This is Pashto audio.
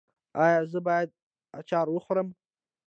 ایا زه باید اچار وخورم؟